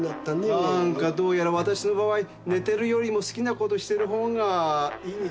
なんかどうやらわたしの場合寝てるよりも好きなことしてるほうがいいみたいですね。